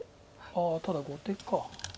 あただ後手か。